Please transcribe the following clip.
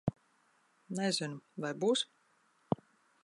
Nezinu. Vai būs?